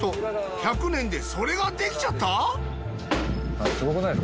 １００年でそれができちゃった！？